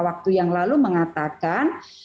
waktu yang lalu mengatakan